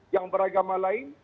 yang beragama lain